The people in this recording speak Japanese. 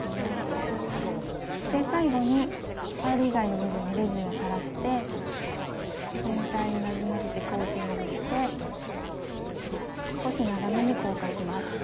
最後にパール以外の部分にレジンを垂らして全体になじませてコーティングして少し長めに硬化します。